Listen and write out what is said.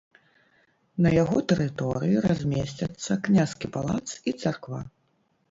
На яго тэрыторыі размесцяцца княскі палац і царква.